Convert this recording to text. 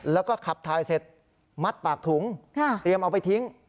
แล้วก็ขับถ่ายเสร็จมัดปากถุงเตรียมเอาไปทิ้ง